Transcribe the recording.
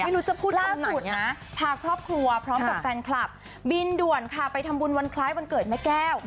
ไม่รู้จะพูดล่าสุดนะพาครอบครัวพร้อมกับแฟนคลับบินด่วนค่ะไปทำบุญวันคล้ายวันเกิดแม่แก้ว